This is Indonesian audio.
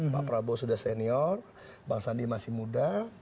pak prabowo sudah senior bang sandi masih muda